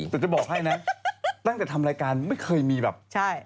แต่จะบอกให้นะตั้งแต่ทำรายการไม่เคยมีแบบใช่